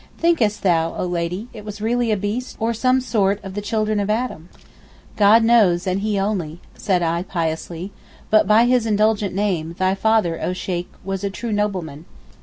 Thinkest thou oh Lady, it was really a beast, or some sort of the children of Adam?' 'God knows, and He only,' said I piously, 'but by His indulgent name, thy father, oh Sheykh, was a true nobleman.